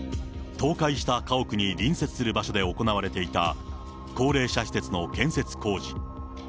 倒壊した家屋に隣接する場所で行われていた高齢者施設の建設工事。